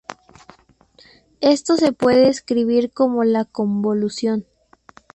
Esto se puede escribir como la convolución.